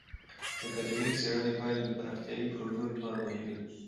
د اکادمیکې څیړنې پایلې د پراختیایي پروژو لپاره مهمې دي.